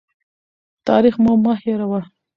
تاریخ مو مه هېروه.